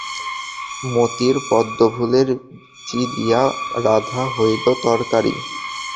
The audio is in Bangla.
মতির পদ্মফুলের বীচি দিয়া রাধা হইল তরকারি।